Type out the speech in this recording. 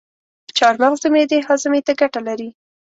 چارمغز د معدې هاضمي ته ګټه لري.